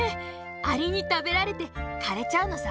アリにたべられてかれちゃうのさ。